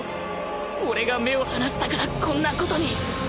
俺が目を離したからこんなことに